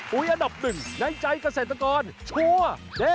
อันดับหนึ่งในใจเกษตรกรชัวร์